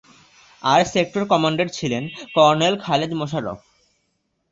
আর sector commander ছিলেন colonel Khaled Mosharraf.